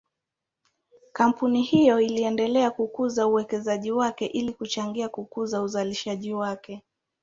Kampuni hiyo inaendelea kukuza uwekezaji wake ili kuchangia kukuza uzalishaji wake.